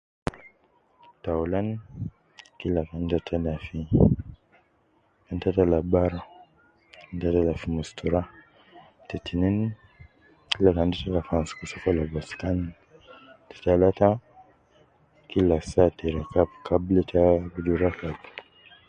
Taulan kila kan ta tala fi kan ta tala bara ta tala fi mustura te tinin kila kan ta tala fi amsuku sokol ab waskan te talata kila saa te rakab kabla ta abidu rakab